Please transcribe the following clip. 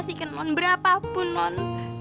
saya akan kasihkan non berapapun non